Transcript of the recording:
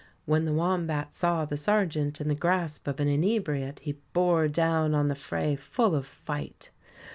When the Wombat saw the sergeant in the grasp of an inebriate he bore down on the fray full of fight.